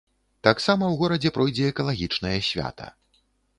Таксама ў горадзе пройдзе экалагічнае свята.